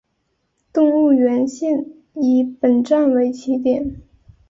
动物园线以本站为起点。